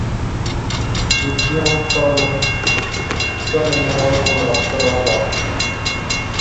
ببدی اوں کݜالوم کٹال ایمرا کرالا